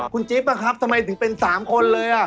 คุณจิ๊บอะครับทำไมถึงเป็น๓คนเลย